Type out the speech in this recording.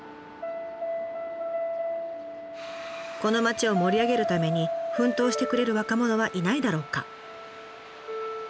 この町を盛り上げるために奮闘してくれる若者はいないだろうか。